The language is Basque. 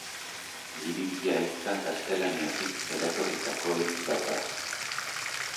Miribilla hitza gaztelaniatik eratorritako hitz bat da.